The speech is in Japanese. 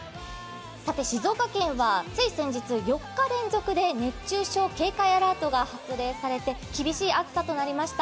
静岡県は、つい先日、４日連続で熱中症警戒アラートが発令されて厳しい暑さとなりました。